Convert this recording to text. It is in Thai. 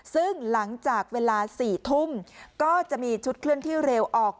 ซึ่งหลังจากเวลา๔ทุ่มก็จะมีชุดเคลื่อนที่เร็วออก